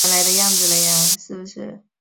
亚泽被尼泊尔吞并至今。